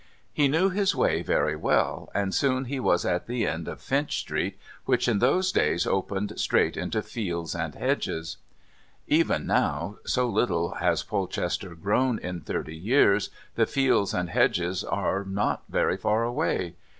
He knew his way very well, and soon he was at the end of Finch Street which in those days opened straight into fields and hedges. Even now, so little has Polchester grown in thirty years, the fields and hedges are not very far away.